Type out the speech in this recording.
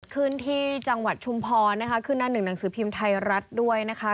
ขึ้นที่จังหวัดชุมพรนะคะขึ้นหน้าหนึ่งหนังสือพิมพ์ไทยรัฐด้วยนะคะ